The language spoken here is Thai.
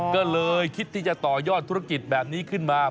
ก็เลยคิดที่จะต่อยอดธุรกิจแบบนี้ขึ้นมา